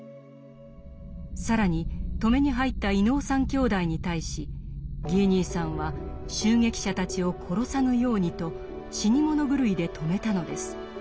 更に止めに入った伊能三兄弟に対しギー兄さんは襲撃者たちを殺さぬようにと死に物狂いで止めたのです。